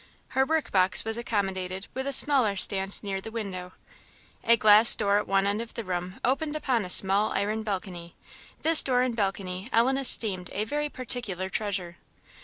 Her work box was accommodated with a smaller stand near the window. A glass door at one end of the room opened upon a small iron balcony; this door and balcony Ellen esteemed a very particular treasure.